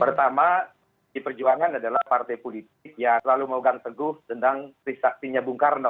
pertama di perjuangan adalah partai politik yang selalu mengganggu tentang krisaktinya bung karno